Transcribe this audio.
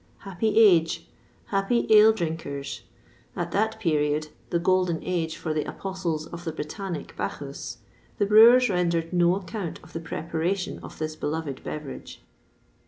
Happy age! happy ale drinkers! At that period the golden age for the apostles of the Britannic Bacchus the brewers rendered no account of the preparation of this beloved beverage.